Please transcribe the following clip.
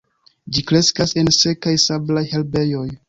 Ĝi kreskas en sekaj sablaj herbejoj.